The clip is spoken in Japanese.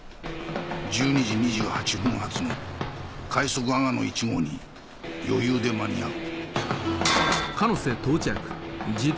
１２時２８分発の「快速あがの１号」に余裕で間に合う。